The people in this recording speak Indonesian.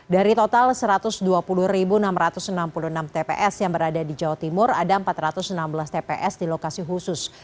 dari total satu ratus dua puluh enam ratus enam puluh enam tps yang berada di jawa timur ada empat ratus enam belas tps di lokasi khusus